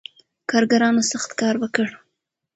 کارګرانو سخت کار وکړ.